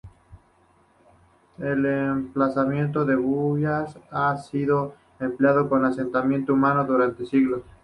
El emplazamiento de Bullas ha sido empleado como asentamiento humano durante siglos.